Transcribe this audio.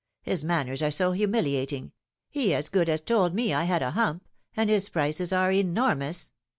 His manners are so humiliating he as good as told me I had a hump and his prices are enormous."